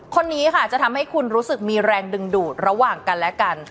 คนนี้ค่ะจะทำให้คุณรู้สึกมีแรงดึงดูดระหว่างกันและกัน